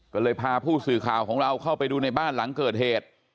ก็เลยพาผู้สื่อข่าวของเราเข้าไปดูในบ้านหลังเกิดเหตุ